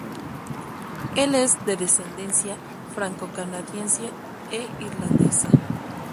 Él es de descendencia franco-canadiense e irlandesa.